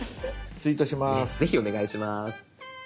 ぜひお願いします。